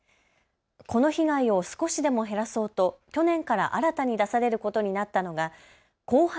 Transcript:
この被害を少しでも減らそうと去年から新たに出されることになったのが後発